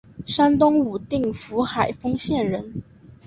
山东武定府海丰县人。